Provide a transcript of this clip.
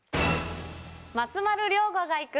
松丸亮吾が行く！